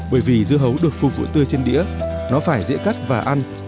bởi vì dưa hấu được phục vụ tươi trên đĩa nó phải dễ cắt và ăn